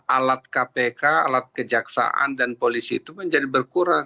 alat kpk alat kejaksaan dan polisi itu menjadi berkurang